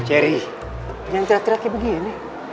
cherry jangan tira tira kayak begini